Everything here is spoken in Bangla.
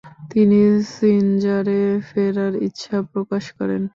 তিনি সিনজারে ফেরার ইচ্ছা প্রকাশ করেন।